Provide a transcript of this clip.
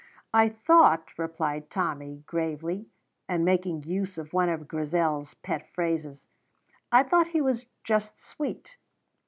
"I thought," replied Tommy, gravely, and making use of one of Grizel's pet phrases, "I thought he was just sweet."